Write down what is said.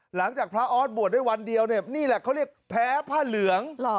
หลังจากพระออสบวชได้วันเดียวเนี่ยนี่แหละเขาเรียกแพ้ผ้าเหลือง